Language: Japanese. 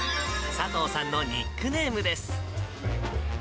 佐藤さんのニックネームです。